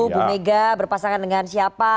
bu mega berpasangan dengan siapa